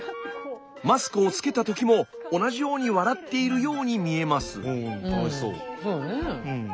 マスクをつけた時も同じように笑っているように見えます。